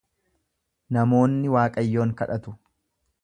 Namoonni Waaqayyoon kadhatu.